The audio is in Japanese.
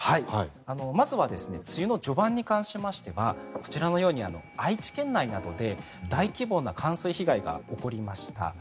まずは梅雨の序盤に関しましてはこちらのように愛知県内などで大規模な冠水被害が起こりました。